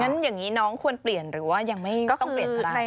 งั้นอย่างนี้น้องควรเปลี่ยนหรือว่ายังไม่ต้องเปลี่ยนอะไร